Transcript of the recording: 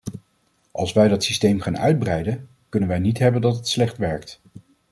Als wij dat systeem gaan uitbreiden, kunnen wij niet hebben dat het slecht werkt.